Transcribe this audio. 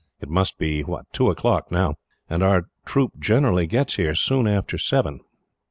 It must be two o'clock now, and our troop generally gets here soon after seven."